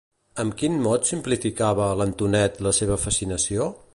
Amb quin mot simplificava, l'Antonet, la seva fascinació?